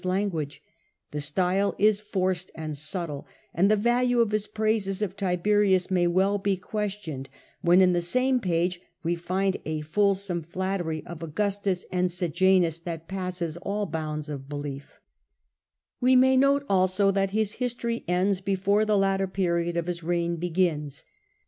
But the terms of the latter do not sound like a frank soldier's language ; the style is forced and subtle, and the value of his praises of Tiberius may well be questioned when in the same pages we find a fulsome flattery of Augustus and Sejanus that passes all bounds of belief. We may note also that his history ends before the latter period of this reign begins.